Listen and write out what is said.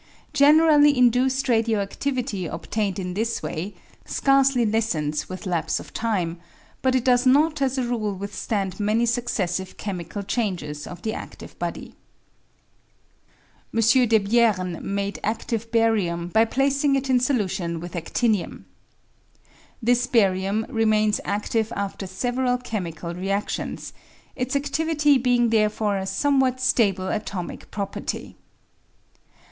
Generally induced radio adivity obtained in this way scarcely lessens with lapse of time, but it does not as a rule withstand many successive chemical changes of the adive body. M. Debiernemade adive barium by placing it in solution with adinium. This barium remains active after several chemical readions, its adivity being therefore a somewhat stable atomic property.